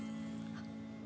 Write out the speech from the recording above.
あっ。